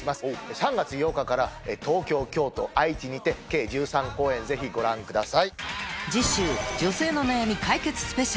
３月８日から東京京都愛知にて計１３公演ぜひご覧ください。